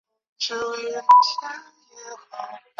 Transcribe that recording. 而内字是与外字相对的概念。